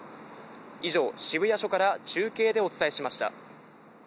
以上、渋谷署から中継でお伝えしました。